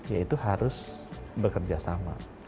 yaitu harus bekerja sama